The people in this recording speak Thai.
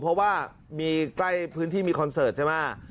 เพราะว่ามีใกล้พื้นที่มีคอนเสิร์ตใช่ไหม